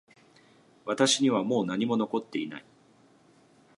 私にはもう何も残っていない